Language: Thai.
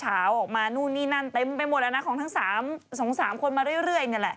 ออกมานู่นนี่นั่นเต็มไปหมดแล้วนะของทั้ง๒๓คนมาเรื่อยนี่แหละ